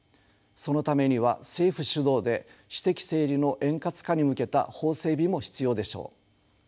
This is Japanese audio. そのためには政府主導で私的整理の円滑化に向けた法整備も必要でしょう。